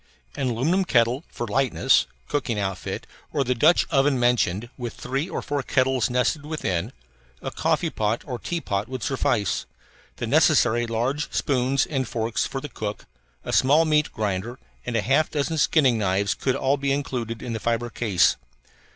An aluminum (for lightness) cooking outfit, or the Dutch oven mentioned, with three or four kettles nested within, a coffee pot or a teapot would suffice. The necessary large spoons and forks for the cook, a small meat grinder, and a half dozen skinning knives could all be included in the fibre case.